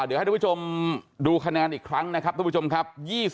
เดี๋ยวให้ทุกผู้ชมดูคะแนนอีกครั้งนะครับทุกผู้ชมครับ